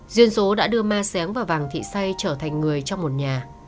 duyên số đã đưa ma xéng và vàng thị say trở thành người trong một nhà